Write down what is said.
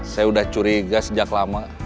saya sudah curiga sejak lama